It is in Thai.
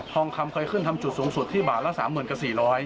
ทองคำเคยขึ้นทำจุดสูงสุดที่บาทละ๓๐๐๐กับ๔๐๐